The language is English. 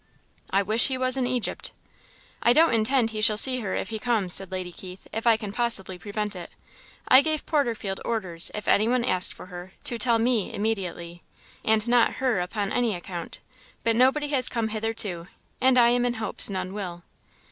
"I wish he was in Egypt!" "I don't intend he shall see her if he comes," said Lady Keith, "if I can possibly prevent it. I gave Porterfield orders, if any one asked for her, to tell me immediately, and not her upon any account; but nobody has come hitherto, and I am in hopes none will."